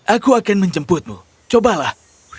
aku akan menjemputmu cobalah